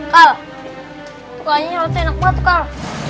kayaknya roti enak banget kal